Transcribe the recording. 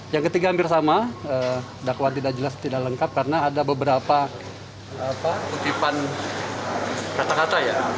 yang ketiga hampir sama dakwaan tidak jelas tidak lengkap karena ada beberapa kutipan kata kata ya